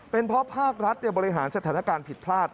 เป็นเพราะภาครัฐบริหารสถานการณ์ผิดพลาด